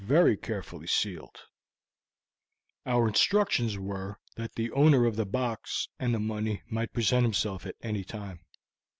It was very carefully sealed. Our instructions were that the owner of the box and the money might present himself at any time."